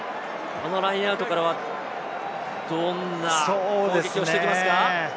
このラインアウトからは、どんな攻撃をしてきますか？